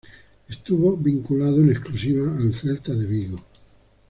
Estuvo vinculado en exclusiva al Celta de Vigo.